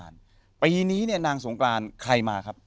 นางสงกรานปีนี้นางสงกรานใครมาครับ